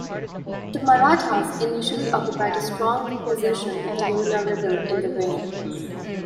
The Marathas initially occupied a strong position with the Yamuna River in their rear.